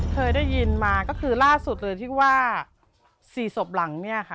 เคยได้ยินมาก็คือล่าสุดเลยที่ว่า๔ศพหลังเนี่ยค่ะ